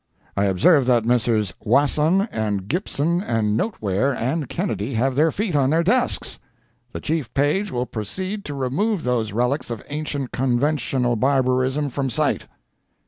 I observe that Messrs. Wasson and Gibson and Noteware and Kennedy have their feet on their desks. The chief page will proceed to remove those relics of ancient conventional barbarism from sight."